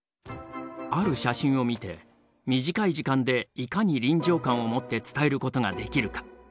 ある写真を見て短い時間でいかに臨場感を持って伝えることができるか？